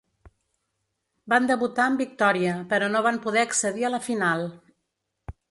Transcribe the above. Van debutar amb victòria però no van poder accedir a la final.